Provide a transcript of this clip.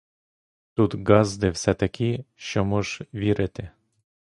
Тут ґазди все такі, шо мож вірити.